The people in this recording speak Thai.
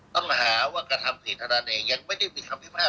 ต้องหาว่ากระทำผิดทนานเองยังไม่ได้มีคำพิพากษัตริย์